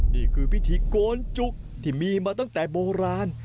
นี่คือพิธีโกนจุกที่มีมาตั้งแต่โบราณ